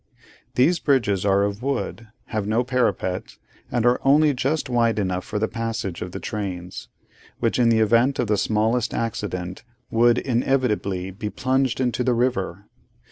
These bridges are of wood, have no parapet, and are only just wide enough for the passage of the trains; which, in the event of the smallest accident, wound inevitably be plunged into the river.